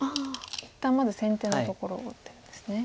一旦まず先手のところを打ってるんですね。